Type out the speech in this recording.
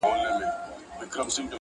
لاس یې پورته د غریب طوطي پر سر کړ-